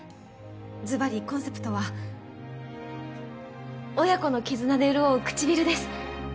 ズバリコンセプトは親子の絆で潤う唇です。